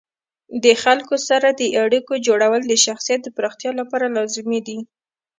د خلکو سره د اړیکو جوړول د شخصیت د پراختیا لپاره لازمي دي.